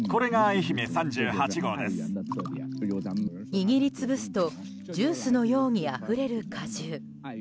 握り潰すとジュースのようにあふれる果汁。